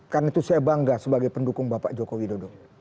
karena itu saya bangga sebagai pendukung bapak jokowi dodo